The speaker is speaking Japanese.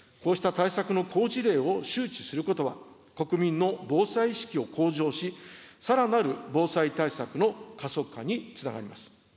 こうした対策の好事例を周知することは、国民の防災意識を向上し、さらなる防災対策の加速化につながります。